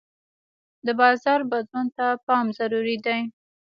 د بازار بدلون ته پام ضروري دی.